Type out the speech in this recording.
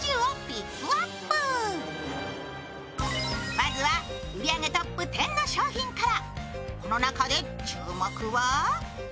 まずは売り上げトップ１０の商品から。